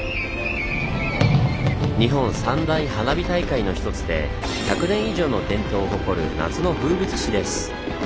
日本三大花火大会の一つで１００年以上の伝統を誇る夏の風物詩です。